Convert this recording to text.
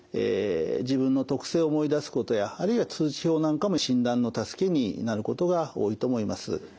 自分の特性を思い出すことやあるいは通知表なんかも診断の助けになることが多いと思います。